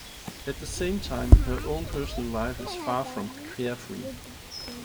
At the same time, her own personal life is far from carefree.